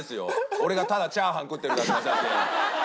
俺がただチャーハン食ってるだけの写真。